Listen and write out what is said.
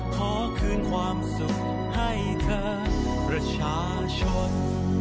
ขอคืนความสุขให้เธอประชาชน